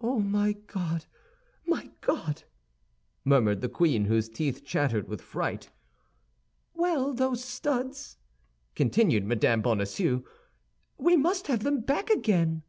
"Oh, my God, my God!" murmured the queen, whose teeth chattered with fright. "Well, those studs," continued Mme. Bonacieux, "we must have them back again."